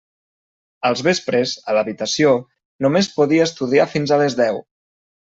Als vespres, a l'habitació, només podia estudiar fins a les deu.